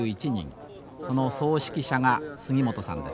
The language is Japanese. その総指揮者が杉本さんです。